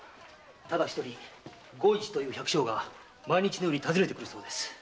ただ一人吾市という百姓が毎日のように訪ねてくるそうです。